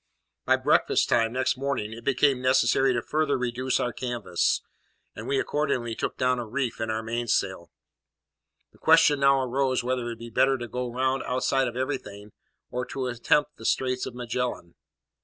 By breakfast time next morning it became necessary to further reduce our canvas, and we accordingly took down a reef in our mainsail. The question now arose whether it would be better to go round outside of everything, or to attempt the Straits of Magellan.